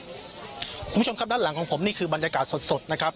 คุณผู้ชมครับด้านหลังของผมนี่คือบรรยากาศสดนะครับ